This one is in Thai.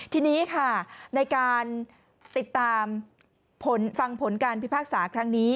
ทีนี้ค่ะในการติดตามผลฟังผลการพิพากษาครั้งนี้